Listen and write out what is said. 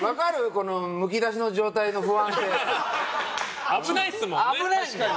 このむき出しの状態の不安って。